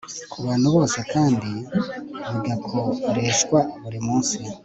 ku bantu bose kandi bigakoreshwa buri munsi